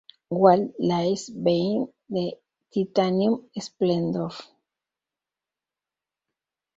What lies behind the titanium esplendor?